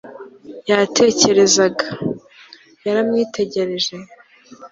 yatekerezaga. yaramwitegereje